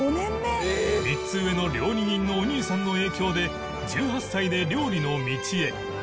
３つ上の料理人のお兄さんの影響で１８歳で料理の道へ